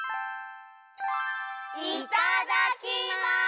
いただきます！